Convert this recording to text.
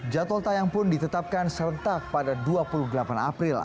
jadwal tayang pun ditetapkan serentak pada dua puluh delapan april